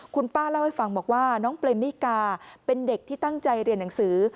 คุณป้าเล่าให้ฟังบอกว่าน้องเปรมมิกาเป็นเด็กที่ตั้งใจเรียนหนังสือ